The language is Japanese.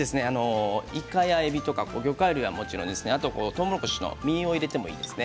いかやえびとか魚介類はもちろんとうもろこしの実を入れてもいいですね。